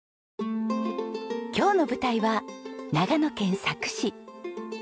今日の舞台は長野県佐久市。